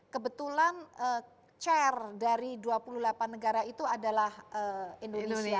kebetulan chair dari dua puluh delapan negara itu adalah indonesia